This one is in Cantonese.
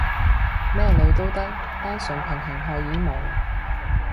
咩女都得？單純平衡荷爾蒙？